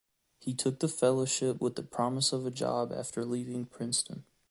He took the fellowship with the promise of a job after leaving Princeton.